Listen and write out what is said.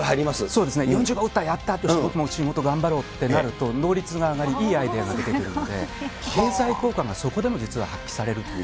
そうですね、４０号打った、やったー、僕も仕事頑張ろうってなると、能率が上がり、いいアイデアが出てくるので、経済効果がそこでも実は発揮されるという。